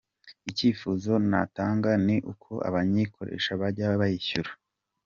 Icyifuzo natanga ni uko abayikoresha bajya bayishyura”.